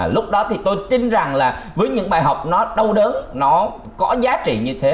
lúc đó thì tôi tin rằng là với những bài học nó đau đớn nó có giá trị như thế